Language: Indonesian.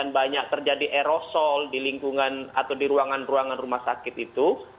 banyak terjadi aerosol di lingkungan atau di ruangan ruangan rumah sakit itu